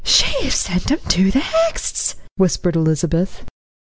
"She have sent 'em to the Hexts," whispered Elizabeth.